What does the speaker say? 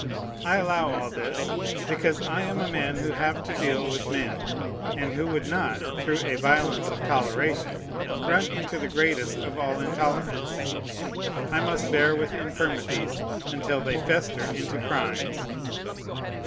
I allow all this, because I am a man who have to deal with men, and who would not, through a violence of toleration, run into the greatest of all intolerance. I must bear with infirmities, until they fester into crimes.